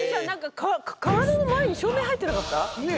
何か体の前に照明入ってなかった？